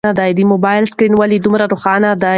د موبایل سکرین ولې دومره روښانه دی؟